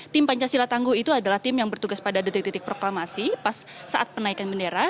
tim pancasila tangguh itu adalah tim yang bertugas pada detik detik proklamasi pas saat penaikan bendera